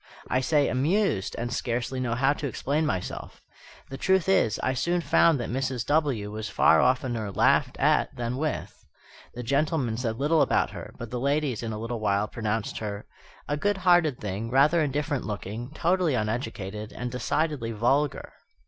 I say "amused," and scarcely know how to explain myself. The truth is, I soon found that Mrs. W. was far oftener laughed at than with. The gentlemen said little about her; but the ladies in a little while pronounced her "a good hearted thing, rather indifferent looking, totally uneducated, and decidedly vulgar."